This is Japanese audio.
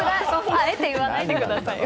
あえて言わないでくださいよ。